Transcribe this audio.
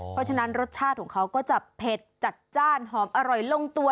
เพราะฉะนั้นรสชาติของเขาก็จะเผ็ดจัดจ้านหอมอร่อยลงตัว